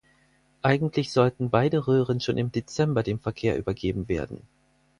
Eigentlich sollten beide Röhren schon im Dezember dem Verkehr übergeben werden.